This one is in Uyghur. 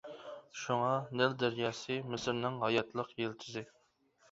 شۇڭا نىل دەرياسى مىسىرنىڭ ھاياتلىق يىلتىزى.